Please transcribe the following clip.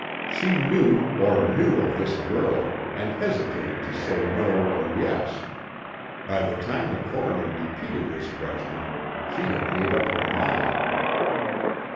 She knew or knew of this girl and hesitated to say no or yes. By the time the coroner repeated his question she had made up her mind."